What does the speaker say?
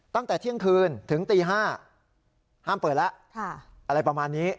ตั้งแต่เที่ยงคืนถึงตี๕ห้ามเปิดแล้วอะไรประมาณนี้